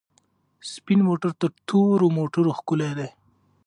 سپین موټر تر تورو موټرو ښکلی دی.